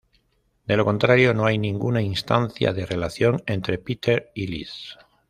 De lo contrario, no hay ninguna instancia de relación entre Peter y Liz.